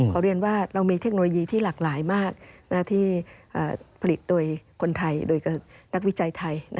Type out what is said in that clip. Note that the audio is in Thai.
เรียนว่าเรามีเทคโนโลยีที่หลากหลายมากที่ผลิตโดยคนไทยโดยนักวิจัยไทย